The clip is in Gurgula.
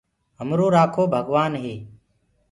همرو رآکو ڀگوآن هي۔